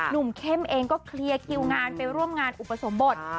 เข้มเองก็เคลียร์คิวงานไปร่วมงานอุปสมบท